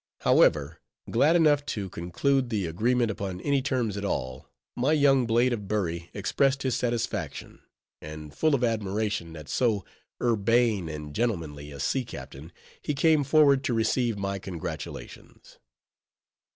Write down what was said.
However, glad enough to conclude the agreement upon any terms at all, my young blade of Bury expressed his satisfaction; and full of admiration at so urbane and gentlemanly a sea captain, he came forward to receive my congratulations.